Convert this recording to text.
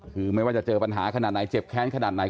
คือไม่ว่าจะเจอปัญหาขนาดไหนเจ็บแค้นขนาดไหน